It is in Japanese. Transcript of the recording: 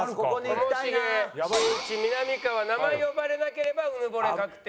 ともしげしんいちみなみかわ名前呼ばれなければうぬぼれ確定です。